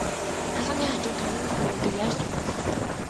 Хаалганы хажуу дахь хүүхэлдэйнүүдийг яаж тайлбарлах вэ?